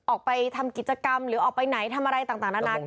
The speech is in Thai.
ออกไปทำกิจกรรมหรือออกไปไหนทำอะไรต่างนานา